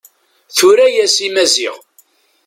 Tura-yas i Maziɣ.